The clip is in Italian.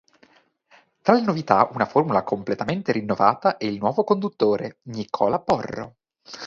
Tra le novità una formula completamente rinnovata e il nuovo conduttore Nicola Porro.